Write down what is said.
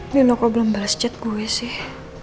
ini noko belum balas chat gue sih